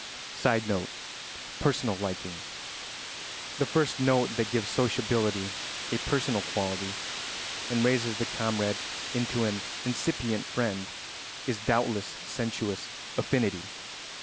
[Sidenote: Personal liking.] The first note that gives sociability a personal quality and raises the comrade into an incipient friend is doubtless sensuous affinity.